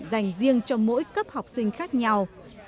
dành riêng cho mỗi cấp học sinh khác nhau